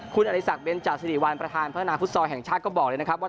คุณอริสักเบนจาสิริวัลประธานพัฒนาฟุตซอลแห่งชาติก็บอกเลยนะครับว่า